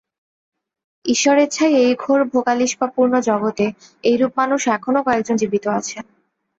ঈশ্বরেচ্ছায় এই ঘোর ভোগলিপ্সাপূর্ণ জগতে এইরূপ মানুষ এখনও কয়েকজন জীবিত আছেন।